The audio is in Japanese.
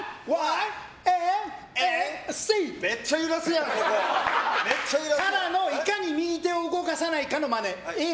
めっちゃ揺らすやん！からのいかに右手を動かさないかのマネ。